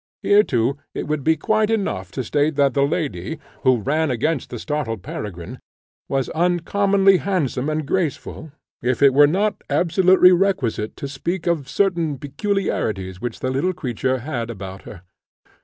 Here, too, it would be quite enough to state that the lady, who ran against the startled Peregrine, was uncommonly handsome and graceful, if it were not absolutely requisite to speak of certain peculiarities which the little creature had about her.